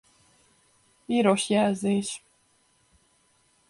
Piros jelzés.